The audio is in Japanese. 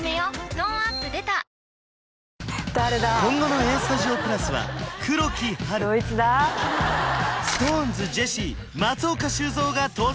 トーンアップ出た今後の「ＡＳＴＵＤＩＯ＋」は黒木華ＳｉｘＴＯＮＥＳジェシー松岡修造が登場